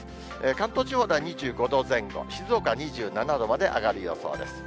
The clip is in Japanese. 関東地方は２５度前後、静岡は２７度まで上がる予想です。